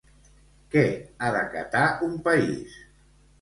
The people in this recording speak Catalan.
Què ha d'acatar un país?